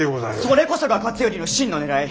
それこそが勝頼の真のねらい！